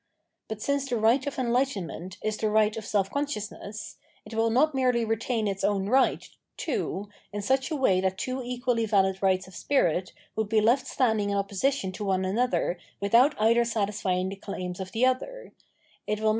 But 572 Phenomenology of Mind since the right of enhghtenment is the right of self consciousness, it will not merely retain its own right, too, in such a way that two equally valid rights of spirit would be left standing in opposition to one another without either satisfying the claims of the other ; it will ma.